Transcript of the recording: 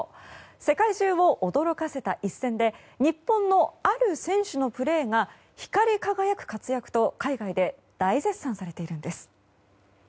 世界中を驚かせた一戦で日本のある選手のプレーが光り輝く活躍と海外で大絶賛されているんです。